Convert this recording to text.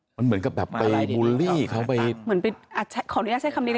เหมือนกับไปบูลลี่เขา